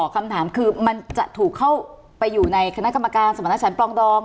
คำถามคือมันจะถูกเข้าไปอยู่ในคณะกรรมการสมรรถฉันปลองดอง